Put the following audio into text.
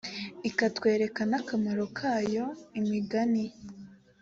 ikatwereka n akamaro kayo imigani